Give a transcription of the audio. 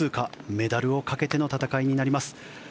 メダルをかけての戦いになります。